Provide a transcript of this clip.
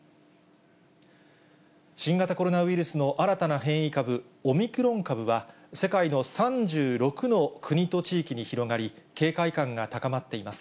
新型コロナウイルスの新たな変異株、オミクロン株は、世界の３６の国と地域に広がり、警戒感が高まっています。